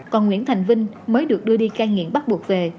còn nguyễn thành vinh mới được đưa đi cai nghiện bắt buộc về